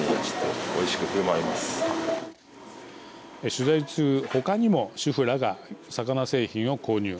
取材中、他にも主婦らが魚製品を購入。